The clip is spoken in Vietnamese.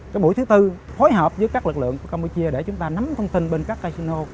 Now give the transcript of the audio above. cái mũi thứ tư phối hợp với các lực lượng của campuchia để chúng ta nắm thông tin bên các casino